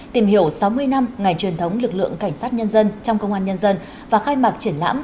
tìm hiểu sáu mươi năm ngày truyền thống lực lượng cảnh sát nhân dân trong công an nhân dân và khai mạc triển lãm